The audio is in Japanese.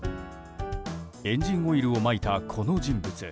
エンジンオイルをまいたこの人物。